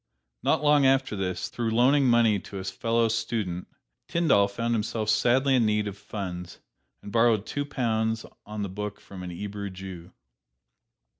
Not long after this, through loaning money to a fellow student, Tyndall found himself sadly in need of funds, and borrowed two pounds on the book from an 'Ebrew Jew.